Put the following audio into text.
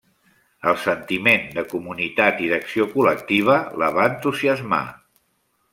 El sentiment de comunitat i d'acció col·lectiva la va entusiasmar.